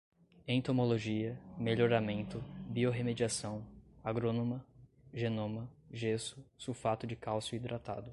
entomologia, melhoramento, biorremediação, agrônoma, genoma, gesso, sulfato de cálcio hidratado